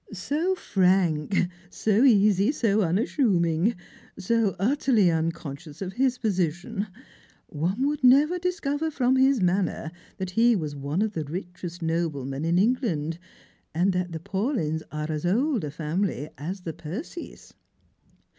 " So frank, so easy, so unassuming, so utterly unconscious of his position ; one would never discover from his manner that he was one of the richest noblemen in England, and that the Paulyns are as old a family as the Percys."